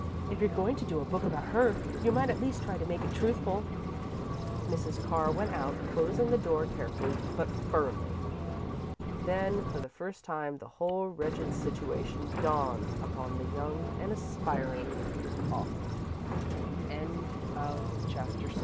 If you're going to do a book about her, you might at least try to make it truthful." Mrs. Carr went out, closing the door carefully, but firmly. Then, for the first time, the whole wretched situation dawned upon the young and aspiring author. VII An Uninvited Guest Dorothy sat alone in h